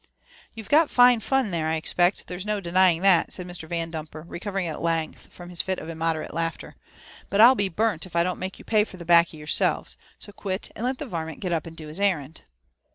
You've got fine fun there, I expect — ^there's no denying that," said Mr. Yandumper, recovering at length from his fit of immoderate laughter; '' but I'll be burnt if I don't make you pay for the baccy yourselves ; so quit, and let the varment get up and do his errand."